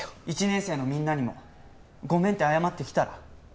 １年生のみんなにもごめんって謝ってきたら？